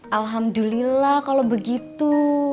alhamdulillah kalau begitu